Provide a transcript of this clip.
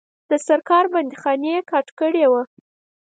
د سرکار بندیخانې یې کاټ کړي وه.